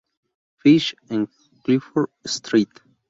Fish", en Clifford Street.